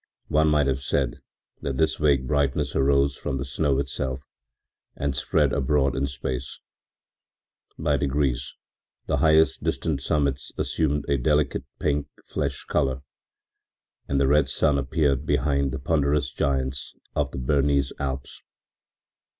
One might have said that this vague brightness arose from the snow itself and spread abroad in space. By degrees the highest distant summits assumed a delicate, pink flesh color, and the red sun appeared behind the ponderous giants of the Bernese Alps.